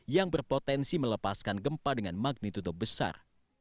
yang berpotensi melepaskan gempa dengan magnitudo besar